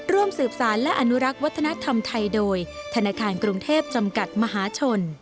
ร่วมสืบสารและอนุรักษ์วัฒนธรรมไทยโดยธนาคารกรุงเทพจำกัดมหาชน